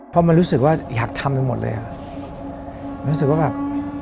เพราะมันรู้สึกว่าอยากทำไปหมดเลยอ่ะรู้สึกว่าแบบ